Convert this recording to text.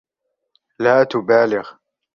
لا تُبالِغ.